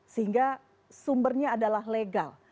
sehingga sumbernya adalah legal